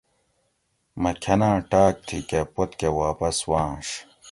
مہ کھناۤں ٹاۤک تھی کہ پوت کہ واپس واںش